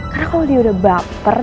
karena kalau dia udah baper